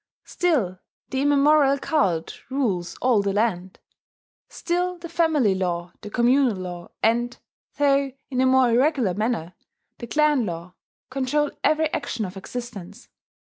Still the immemorial cult rules all the land. Still the family law, the communal law, and (though in a more irregular manner) the clan law, control every action of existence.